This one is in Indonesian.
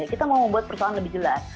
kita mau membuat persoalan lebih jelas